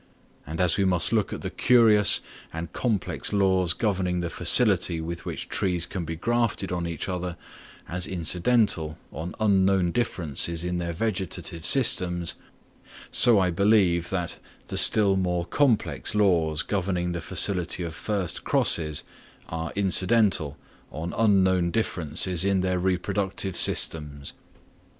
And as we must look at the curious and complex laws governing the facility with which trees can be grafted on each other as incidental on unknown differences in their vegetative systems, so I believe that the still more complex laws governing the facility of first crosses are incidental on unknown differences in their reproductive systems.